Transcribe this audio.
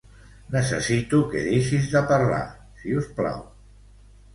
Necessito que deixis de parlar, si us plau.